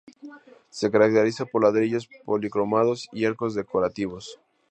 Se caracteriza por ladrillos policromados y arcos decorativos.